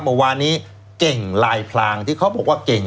เมื่อวานนี้เก่งลายพลางที่เขาบอกว่าเก่ง